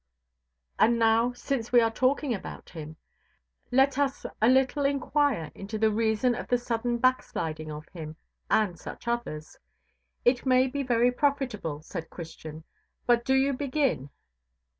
And now, since we are talking about him, let us a little inquire into the reason of the sudden backsliding of him and such others. It may be very profitable, said Christian, but do you begin.